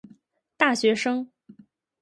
大学生